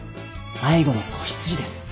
迷子の子羊です。